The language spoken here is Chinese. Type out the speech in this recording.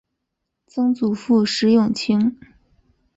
曾祖父石永清。